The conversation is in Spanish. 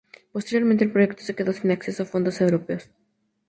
Posteriormente el proyecto se quedó sin acceso a fondos europeos.